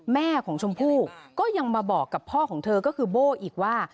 แม่ของชมพู่ก็ยังมาบอกกับพ่อของเธอก็คือโบ้อีกว่า